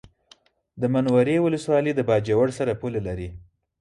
د منورې ولسوالي د باجوړ سره پوله لري